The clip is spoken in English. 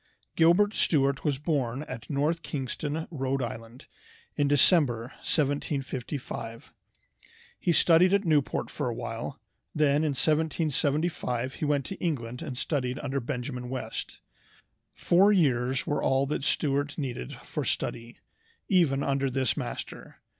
Gilbert Stuart was born at North Kingston, Rhode Island, in December, 1755. He studied at Newport for awhile, then in 1775 he went to England and studied under Benjamin West. Four years were all that Stuart needed for study, even under this master.